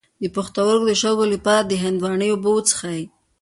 د پښتورګو د شګو لپاره د هندواڼې اوبه وڅښئ